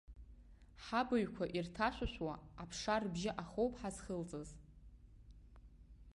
Ҳабаҩқәа ирҭашәышәуа аԥша рыбжьы ахоуп ҳазхылҵыз.